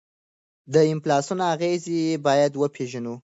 د انفلاسیون اغیزې باید وپیژنو.